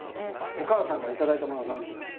お母さんから頂いたものは何ですか？